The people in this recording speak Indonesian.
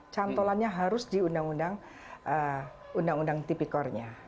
cantolannya harus di undang undang tipikornya